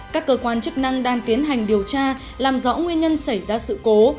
các cơ quan chức năng đang tiến hành điều tra làm rõ nguyên nhân xảy ra sự cố